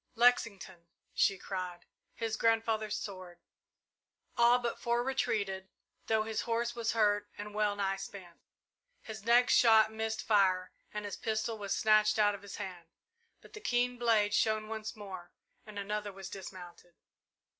"Lexington!" she cried. "His grandfather's sword!" All but four retreated, though his horse was hurt and well nigh spent. His next shot missed fire and his pistol was snatched out of his hand, but the keen blade shone once more and another was dismounted.